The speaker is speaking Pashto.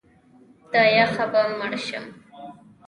د یخه به مړ شم!